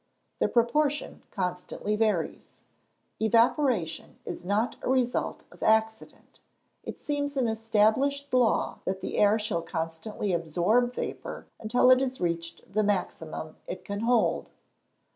_ The proportion constantly varies. Evaporation is not a result of accident; it seems an established law that the air shall constantly absorb vapour until it has reached the maximum that it can hold.